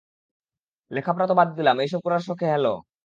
লেখাপড়া তো বাদ দিলাম এইসব করার শখে হ্যাঁলো।